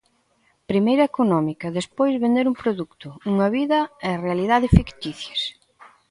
Primeiro económica, despois vender un produto, unha vida e realidade ficticias.